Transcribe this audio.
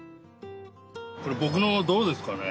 これ僕のどうですかね？